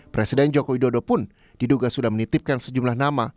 presiden joko widodo pun diduga sudah menitipkan sejumlah nama